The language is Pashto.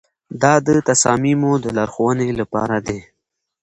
دا د تصامیمو د لارښوونې لپاره دی.